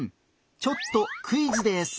ちょっとクイズです。